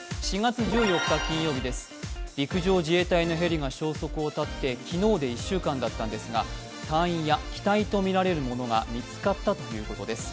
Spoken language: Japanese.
陸上自衛隊のヘリが消息を絶って昨日で１週間だったんですが、隊員や機体とみられるものが見つかったということです。